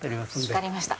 分かりました。